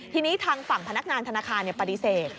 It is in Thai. ทีนี้ทางฝั่งพนักงานธนาคารปฏิเสธ